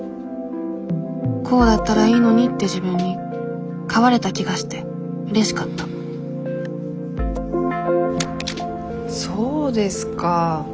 こうだったらいいのにって自分に変われた気がしてうれしかったそうですか。